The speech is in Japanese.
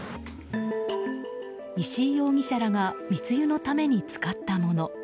石井容疑者らが密輸のために使ったもの